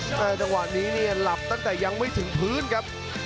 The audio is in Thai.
จังหวะนี้เนี่ยหลับตั้งแต่ยังไม่ถึงพื้นครับ